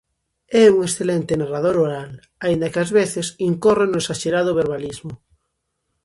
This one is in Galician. É un excelente narrador oral, aínda que ás veces incorre no esaxerado verbalismo.